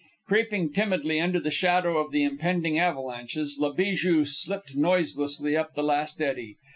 Creeping timidly under the shadow of the impending avalanches, La Bijou slipped noiselessly up the last eddy.